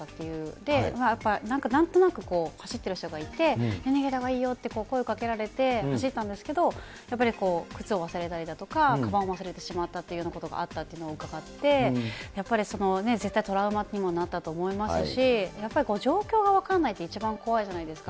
で、やっぱりなんとなくこう、走ってる人がいて、逃げたほうがいいよって声かけられて、走ったんですけど、やっぱり靴を忘れたりだとか、かばんを忘れたりしたっていうようなことがあったというのをうかがって、やっぱり絶対トラウマというのもなったと思いますし、やっぱり状況が分かんないと、一番怖いじゃないですか。